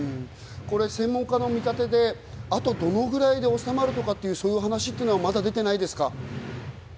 専門家の見立てで、あとどのくらいで収まるという話はまだ出ていないですか？